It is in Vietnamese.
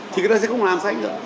thì người ta sẽ không làm sách nữa